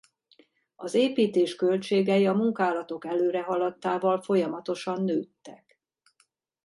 Az építés költségei a munkálatok előrehaladtával folyamatosan nőttek.